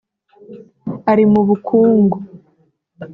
ari mu bukungu